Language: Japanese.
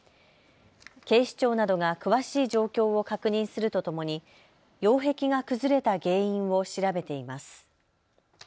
警視庁などが詳しい状況を確認するとともに擁壁が崩れた原因を調べています。